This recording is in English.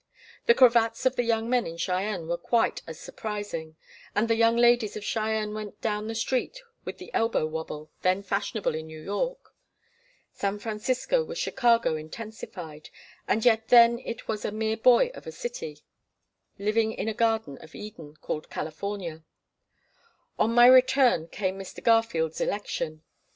The cravats of the young men in Cheyenne were quite as surprising, and the young ladies of Cheyenne went down the street with the elbow wabble, then fashionable in New York. San Francisco was Chicago intensified, and yet then it was a mere boy of a city, living in a garden of Eden, called California. On my return came Mr. Garfield's election.